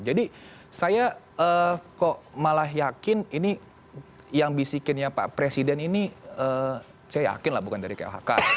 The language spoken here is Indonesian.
jadi saya kok malah yakin ini yang bisikinnya pak presiden ini saya yakin lah bukan dari khk